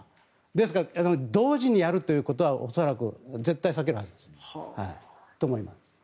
ですから同時にやるということは恐らく、絶対避けるはずだと思います。